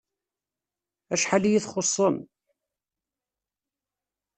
Acḥal iyi-txuṣṣem!